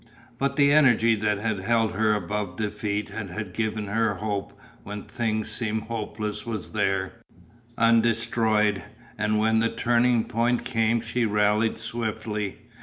But the energy that had held her above defeat and had given her hope when things seemed hopeless was there, undestroyed, and when the turning point came she rallied swiftly.